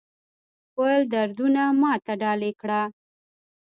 خپل دردونه ماته ډالۍ کړه